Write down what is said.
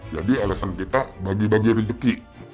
jadi alasan kita bagi bagi rezeki